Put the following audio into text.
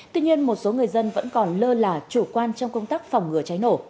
tuy nhiên một số người dân vẫn còn lơ là chủ quan trong công tác phòng ngừa cháy nổ